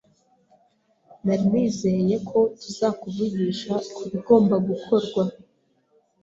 Nari nizeye ko tuzakuvugisha kubigomba gukorwa.